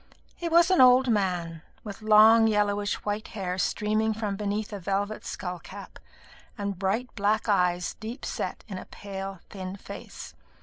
He was an old man, with long yellowish white hair streaming from beneath a velvet skull cap, and bright black eyes deep set in a pale thin face.